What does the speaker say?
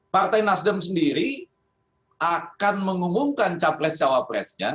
partai nasdem sendiri akan mengumumkan capres cawapresnya